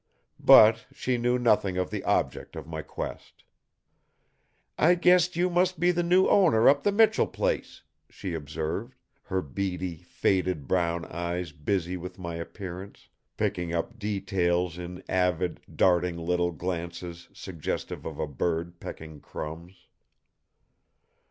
But she knew nothing of the object of my quest. "I guessed you must be the new owner up to the Michell place," she observed, her beady, faded brown eyes busy with my appearance, picking up details in avid, darting little glances suggestive of a bird pecking crumbs.